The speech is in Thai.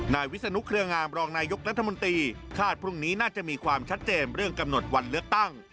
วิศนุเครืองามรองนายกรัฐมนตรีคาดพรุ่งนี้น่าจะมีความชัดเจนเรื่องกำหนดวันเลือกตั้ง